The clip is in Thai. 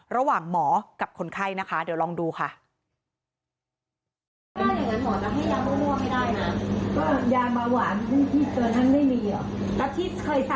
ระหว่างหมอกับคนไข้นะคะเดี๋ยวลองดูค่ะ